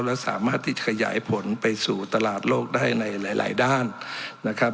และสามารถที่ขยายผลไปสู่ตลาดโลกได้ในหลายด้านนะครับ